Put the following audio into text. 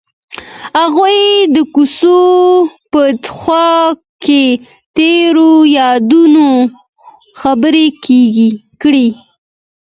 هغوی د کوڅه په خوا کې تیرو یادونو خبرې کړې.